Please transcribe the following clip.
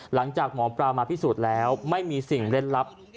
หลังจากหมอปลามาพิสูจน์แล้วไม่มีสิ่งเล่นลับ